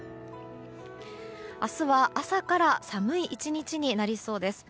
明日は朝から寒い１日になりそうです。